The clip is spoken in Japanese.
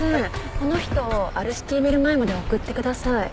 この人をアルシティビル前まで送ってください。